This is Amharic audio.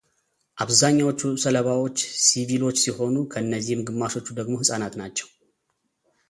አብዛኛዎቹ ሰለባዎች ሲቪሎች ሲሆኑ ከእነዚህም ግማሾቹ ደግሞ ህጻናት ናቸው።